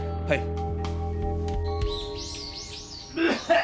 はい。